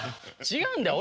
違うんだよ